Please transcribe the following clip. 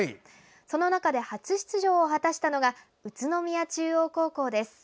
その中で、初出場を果たしたのが宇都宮中央高校です。